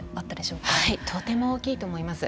とても大きいと思います。